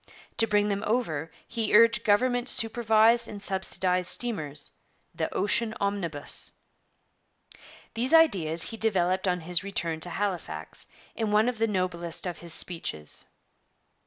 To bring them over he urged government supervised and subsidized steamers, 'the Ocean omnibus.' These ideas he developed on his return to Halifax in one of the noblest of his speeches.